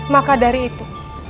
maka dari itu